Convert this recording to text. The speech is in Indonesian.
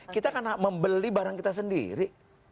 kita karena membeli barang kita sendiri